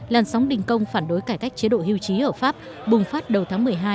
làn sóng đình công phản đối cải cách chế độ hưu trí ở pháp bùng phát đầu tháng một mươi hai